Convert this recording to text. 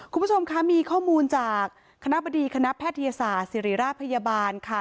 คุณผู้ชมคะมีข้อมูลจากคณะบดีคณะแพทยศาสตร์ศิริราชพยาบาลค่ะ